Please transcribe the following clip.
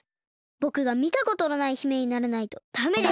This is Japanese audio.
ぼくがみたことのない姫にならないとダメです！